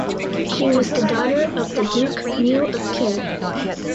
She was the daughter of the Duke Mu of Qin.